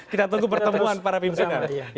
kita tunggu pertemuan para pimpinan